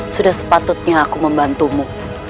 sudah sepatutnya aku membantumu